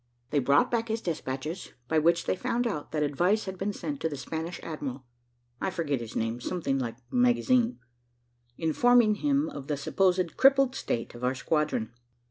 They brought back his despatches, by which they found out that advice had been sent to the Spanish admiral I forget his name, something like Magazine informing him of the supposed crippled state of our squadron.